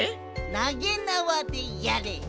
なげなわでやれ。